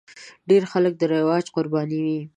ډېر خلک د رواج قرباني وي.